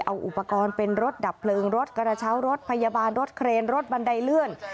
เอาอุปกรณ์เป็นรถดับเพลิงรถกระเช้ารถพยาบาลรถเครนรถบันไดเลื่อน